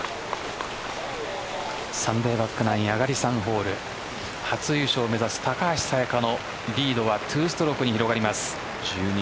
サンデーバックナイン上がり３ホール初優勝を目指す高橋彩華のリードは２ストロークに広がります。